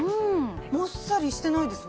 もっさりしてないですもんね。